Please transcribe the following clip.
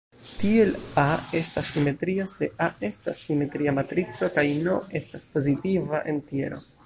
Tiel "A" estas simetria se "A" estas simetria matrico kaj "n" estas pozitiva entjero.